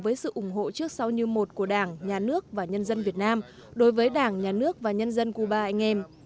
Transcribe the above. chủ tịch nước trần đại quang đã đồng hộ trước sau như một của đảng nhà nước và nhân dân việt nam đối với đảng nhà nước và nhân dân cuba anh em